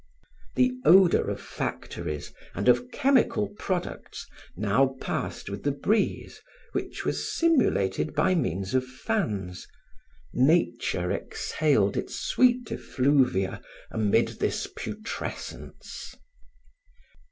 The odor of factories and of chemical products now passed with the breeze which was simulated by means of fans; nature exhaled its sweet effluvia amid this putrescence.